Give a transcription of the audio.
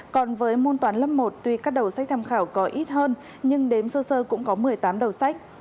còn với môn toán lớp một tuy các đầu sách tham khảo có ít hơn nhưng đếm sơ sơ cũng có một mươi tám đầu sách